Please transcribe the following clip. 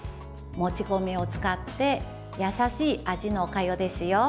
もち米を使って優しい味のおかゆですよ。